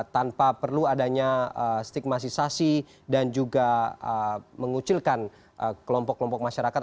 tanpa perlu adanya stigmatisasi dan juga mengucilkan kelompok kelompok masyarakat